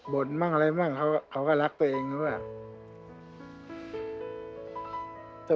บ่นบ้างอะไรบ้างเขาก็รักตัวเองนะครับ